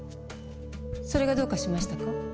それがどうかしましたか？